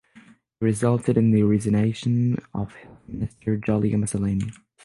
It resulted in the resignation of health minister Julio Mazzoleni.